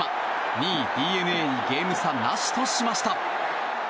２位、ＤｅＮＡにゲーム差なしとしました。